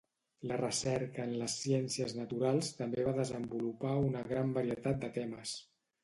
La recerca en les ciències naturals també va desenvolupar una gran varietat de temes.